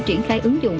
triển khai ứng dụng